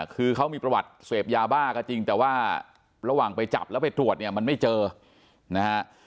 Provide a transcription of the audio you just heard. คือเขามีประวัติเสพยาบ้าก็จริงแต่ว่าระหว่างไปจับแล้วไปตรวจเนี่ยมันไม่เจอนะฮะ